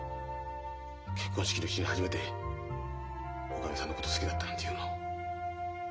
結婚式の日に初めておかみさんのこと好きだったなんて言うの。